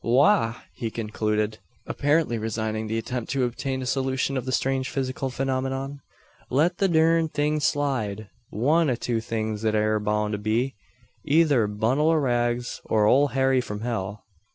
"Wagh!" he concluded, apparently resigning the attempt to obtain a solution of the strange physical phenomenon. "Let the durned thing slide! One o' two things it air boun' to be: eyther a bunnel o' rags, or ole Harry from hell?"